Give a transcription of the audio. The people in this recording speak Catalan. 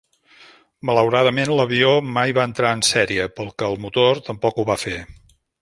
Malauradament, l'avió mai va entrar en sèrie, pel que el motor, tampoc ho va fer.